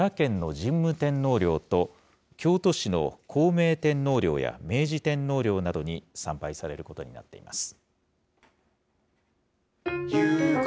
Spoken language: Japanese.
あすは奈良県の神武天皇陵と、京都市の孝明天皇陵や明治天皇陵などに参拝されることになっています。